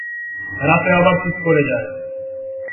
রাতে আবার চুপ করে যায়।